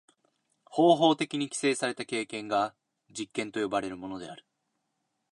方法的に規制された経験が実験と呼ばれるものである。